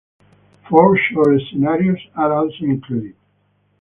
Four short scenarios are also included.